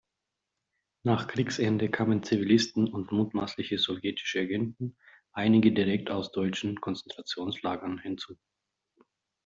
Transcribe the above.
Nach Kriegsende kamen Zivilisten und mutmaßliche sowjetische Agenten, einige direkt aus deutschen Konzentrationslagern, hinzu.